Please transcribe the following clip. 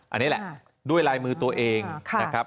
อันนี้แหละด้วยลายมือตัวเองนะครับ